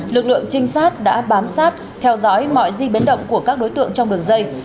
lực lượng trinh sát đã bám sát theo dõi mọi di biến động của các đối tượng trong đường dây